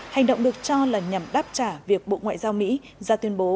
hành động được cho là nhằm đáp trả việc bộ ngoại giao mỹ ra tuyên bố